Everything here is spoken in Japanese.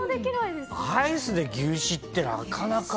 アイスで牛脂ってなかなか。